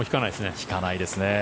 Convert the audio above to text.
引かないですね。